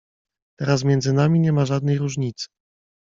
Teraz między nami nie ma żadnej różnicy.